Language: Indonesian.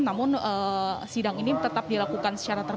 namun sidang ini tetap dilakukan secara terbatas